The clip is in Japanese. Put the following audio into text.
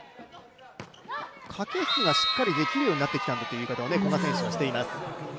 駆け引きがしっかりできるようになってきたという話を古賀選手もしています。